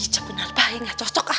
cepetan pak ya gak cocok lah